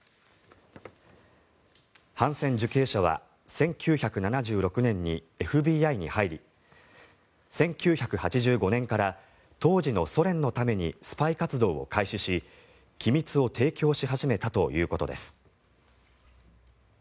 ハンセン受刑者は１９７６年にＦＢＩに入り１９８５年から当時のソ連のためにスパイ活動を開始し、機密を提供し始めたということです。